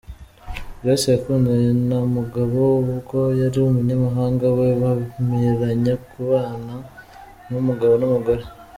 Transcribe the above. Grace yakundanye na Mugabe ubwo yari umunyamabanga we bemeranya kubana nk’umugabo n’umugore.